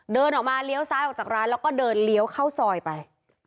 เดินออกมาเลี้ยวซ้ายออกจากร้านแล้วก็เดินเลี้ยวเข้าซอยไป